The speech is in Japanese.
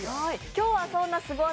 今日はそんなすご技